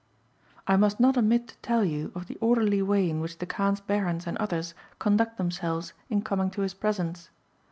I must not omit to tell you of the orderly way in which the Kaan's Barons and others conduct themselves in coming to his presence.